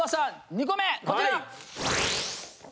２個目こちら！